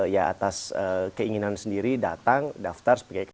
ya atas keinginan sendiri datang daftar sebagai